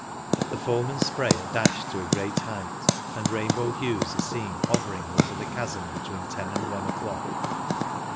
The foam and spray are dashed to a great height, and rainbow hues are seen hovering over the chasm between ten and one o'clock.